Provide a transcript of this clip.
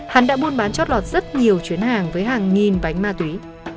hắn đã buôn bán chót lọt rất nhiều chuyến hàng với hàng nghìn bánh ma túy